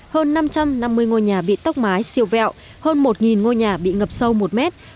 hơn năm trăm năm mươi ngôi nhà bị tốc mái siêu vẹo hơn một ngôi nhà bị ngập sâu một mét